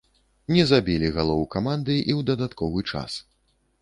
Не забілі галоў каманды і ў дадатковы час.